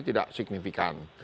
itu tidak signifikan